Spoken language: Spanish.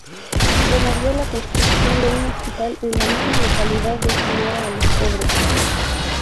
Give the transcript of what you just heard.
Promovió la construcción de un hospital en la misma localidad destinada a los pobres.